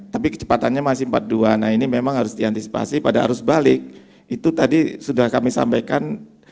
tapi kecepatannya masih empat puluh dua nah ini memang harus diantisipasi pada arus balik itu tadi sudah kami sampaikan